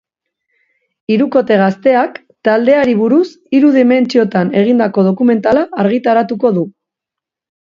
Hirukote gazteak taldeari buruz hiru dimentsiotan egindako dokumentala argitaratuko du.